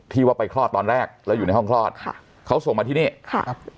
ว่าไปคลอดตอนแรกแล้วอยู่ในห้องคลอดค่ะเขาส่งมาที่นี่ค่ะ